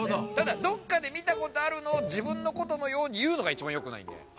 ただどっかでみたことあるのをじぶんのことのようにいうのがいちばんよくないんで。